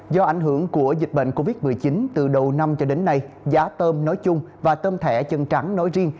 do ảnh hưởng của dịch bệnh covid một mươi chín từ đầu năm cho đến nay giá tôm nói chung và tôm thẻ chân trắng nói riêng